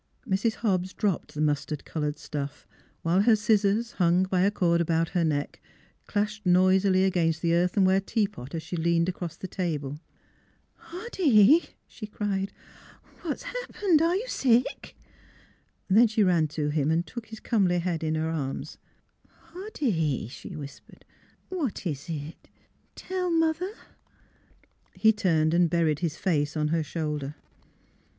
Mrs. Hobbs dropped the mustard colored stuff, while her scissors, hung by a cord about her neck, clashed noisily against the earth enware teapot as she leaned across the table. 344 NEIGHBORS "Hoddy!" she cried. "What has hap pened? Are you sick? " Then she ran to him and took his comely head in her arms. "Hoddy," she whispered, "what is it? Tell mother !" He turned and buried his face on her shoulder.